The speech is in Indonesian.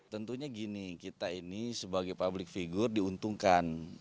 tentunya gini kita ini sebagai publik figur diuntungkan